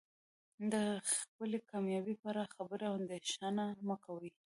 د خپلې کامیابۍ په اړه خبرې او اندیښنه مه کوئ.